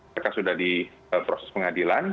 mereka sudah di proses pengadilan